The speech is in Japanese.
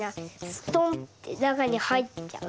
ストンッてなかにはいっちゃう。